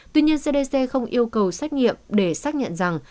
tuy nhiên cdc không yêu cầu xét nghiệm để xác nhận rằng